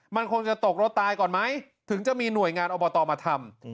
มันคงจะตกรถตายก่อนไหมถึงจะมีหน่วยงานอบตมาทำ